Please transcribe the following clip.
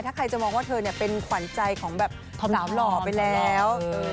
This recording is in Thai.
ถ้าใครจะมองว่าเธอเป็นขวัญใจของแบบสาวหล่อไปแล้ว